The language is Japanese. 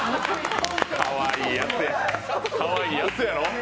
かわいいやつや。